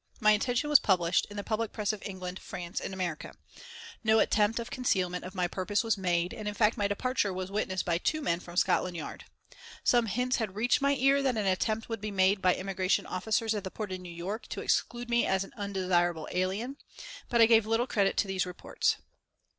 My intention was published in the public press of England, France and America. No attempt at concealment of my purpose was made, and in fact, my departure was witnessed by two men from Scotland Yard. Some hints had reached my ears that an attempt would be made by the Immigration Officers at the port of New York to exclude me as an undesirable alien, but I gave little credit to these reports.